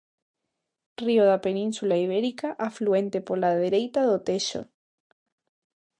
Río da Península Ibérica, afluente pola dereita do Texo.